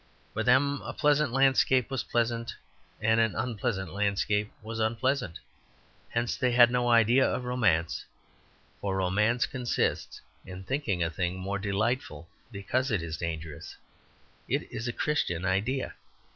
For them a pleasant landscape was pleasant, and an unpleasant landscape unpleasant. Hence they had no idea of romance; for romance consists in thinking a thing more delightful because it is dangerous; it is a Christian idea.